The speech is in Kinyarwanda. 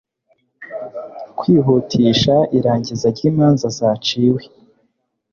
kwihutisha irangiza ry'imanza zaciwe